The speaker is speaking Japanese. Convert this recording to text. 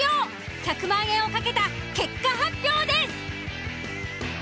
１００万円を懸けた結果発表です。